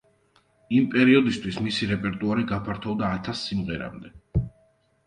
იმ პერიოდისთვის მისი რეპერტუარი გაფართოვდა ათას სიმღერამდე.